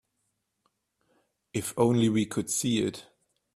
If only we could see it.